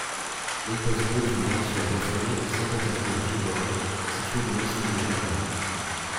Leipäsuo est une gare sur la voie ferrée Saint-Pétersbourg–Vyborg située dans l'isthme de Carélie.